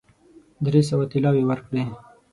درې سوه طلاوي ورکړې.